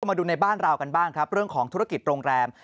มาดูในบ้านเรากันบ้างครับเรื่องของธุรกิจโรงแรม